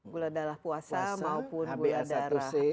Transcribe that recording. gula darah puasa maupun gula darah